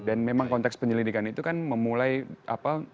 dan memang konteks penyelidikan itu kan memulai apa